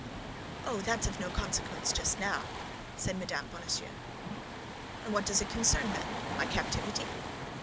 "Oh, that's of no consequence just now," said Mme. Bonacieux. "And what does it concern, then—my captivity?"